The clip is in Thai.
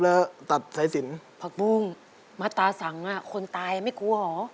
แล้วตัดสายสินผักบุ้งมาตาสังอ่ะคนตายไม่กลัวเหรอ